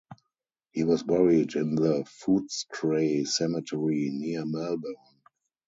He was buried in the Footscray Cemetery near Melbourne.